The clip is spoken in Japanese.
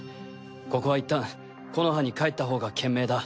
ここはいったん木ノ葉に帰ったほうが賢明だ。